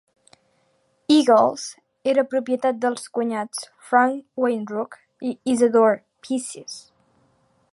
Eagle's era propietat dels cunyats Frank Weindruch i Isadore Pesses.